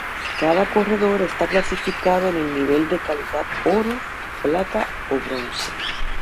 Cada corredor está clasificado en el nivel de calidad Oro, Plata o Bronce.